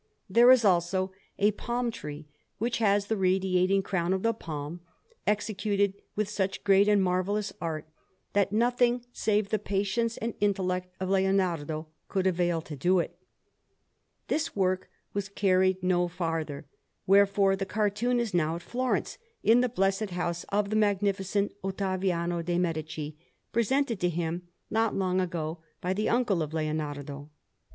There is also a palm tree which has the radiating crown of the palm, executed with such great and marvellous art that nothing save the patience and intellect of Leonardo could avail to do it. This work was carried no farther; wherefore the cartoon is now at Florence, in the blessed house of the Magnificent Ottaviano de' Medici, presented to him not long ago by the uncle of Leonardo.